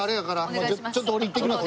ちょっと俺行ってきます。